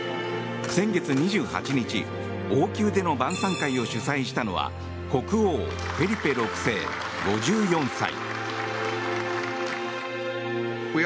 先月２８日、王宮での晩さん会を主催したのは国王フェリペ６世、５４歳。